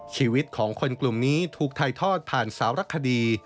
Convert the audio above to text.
ชีวิตของคนกลุ่มนี้ถูกถ่ายทอดผ่านสารคดี